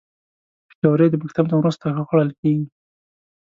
پکورې د مکتب نه وروسته ښه خوړل کېږي